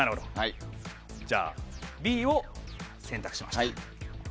じゃあ、Ｂを選択しました。